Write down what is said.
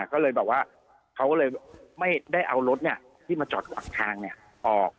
ก็เลยบอกว่าเขาเลยไม่ได้เอารถเนี่ยที่มาจอดทางเนี่ยออก